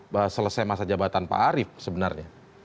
bahwa selesai masa jabatan pak arief sebenarnya